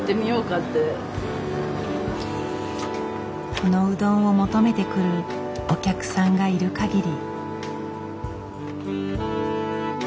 このうどんを求めて来るお客さんがいるかぎり。